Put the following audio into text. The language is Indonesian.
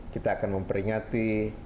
kita akan memperingati